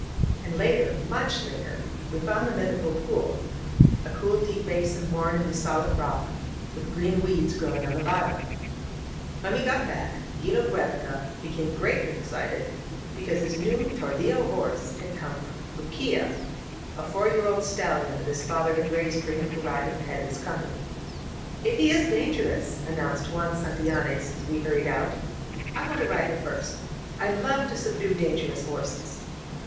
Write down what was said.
And later, much later, we found the mythical pool — a cool, deep basin worn in the solid rock, with green weeds growing on the bottom. When we got back, 'Gino Giiereca became greatly ex 68 THE FIVE MUSKETEERS cited, because his new tordiUo horse had come from Bruquilla — a four year old stallion that his father had raised .for him to ride at the head of his company. ^^If he is dangerous," announced Juan Santillanes, as we hurried out, ^^I want to ride him first. I love to subdue dangerous horses